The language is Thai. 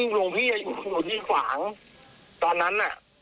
หลวงพี่อยู่หลวงที่ฝ่างตอนนั้น